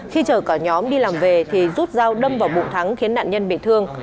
khi chở cả nhóm đi làm về thì rút dao đâm vào bụng thắng khiến nạn nhân bị thương